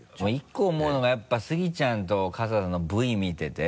１個思うのがやっぱスギちゃんと春日さんのＶ見てて。